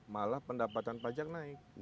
malah pendapatan pajak naik